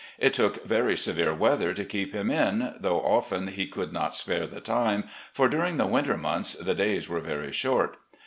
It took very severe weather to keep him in, though often he could not spare the time, for during the winter months the days were very short.